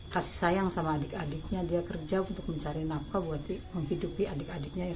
kasih sayang sama adik adiknya dia kerja untuk mencari nafkah buat menghidupi adik adiknya ya